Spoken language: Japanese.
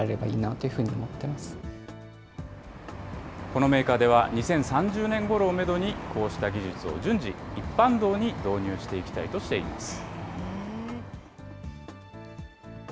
このメーカーでは、２０３０年ごろをメドに、こうした技術を順次、一般道に導入していきたいとしています。